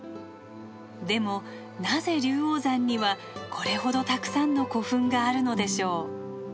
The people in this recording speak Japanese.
でもなぜ龍王山にはこれほどたくさんの古墳があるのでしょう。